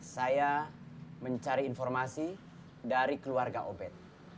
saya mencari informasi dari keluarga obed